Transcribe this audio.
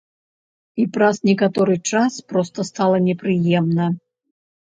І праз некаторы час проста стала непрыемна.